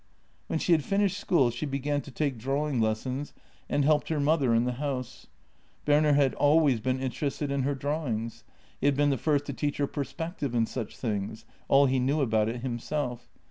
When she had finished school she began to take drawing JENNY 95 lessons, and helped her mother in the house. Berner had al ways been interested in her drawings; he had been the first to teach her perspective and such things — all he knew about it himself.